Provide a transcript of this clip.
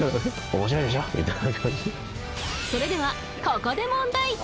［それではここで］